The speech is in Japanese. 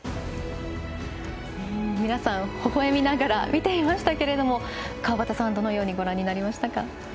皆さん微笑みながら見ていましたけれども川端さんどのようにご覧になりましたか？